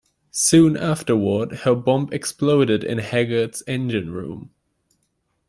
Soon afterward, her bomb exploded in "Haggard"'s engine room.